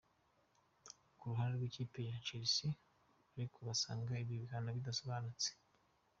Ku ruhande rw’ikipe ya Chelsea ariko basanga ibi bihano bidasobanutse.